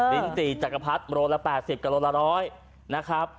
ลิ้นจี่จักรพรรดิโลละ๘๐กับโลละ๑๐๐นะครับ